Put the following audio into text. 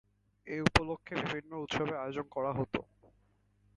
এ উপলক্ষে বিভিন্ন উৎসবের আয়োজন করা হত।